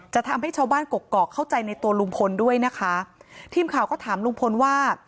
จะทำให้ชาวบ้านกกอกเข้าใจในตัวลุงพลด้วยนะคะทีมข่าวก็ถามลุงพลว่า